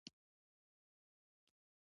د خپلواکۍ بېرغونه د قربانۍ په نتیجه کې رپېږي.